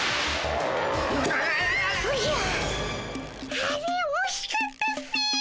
あれおしかったっピィ。